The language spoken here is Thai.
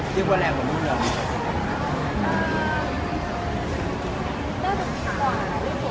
ขอเช็คใครเป็นพิเศษ